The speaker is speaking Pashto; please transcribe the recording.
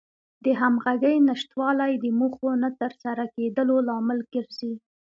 د همغږۍ نشتوالی د موخو نه تر سره کېدلو لامل ګرځي.